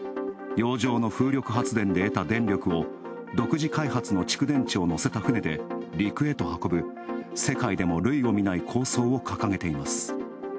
洋上の風力発電で得た電力を独自開発の蓄電池を載せた船で陸へと運ぶ世界でも類をみない構想を掲げています。